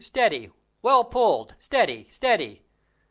steady! well pulled! steady, steady."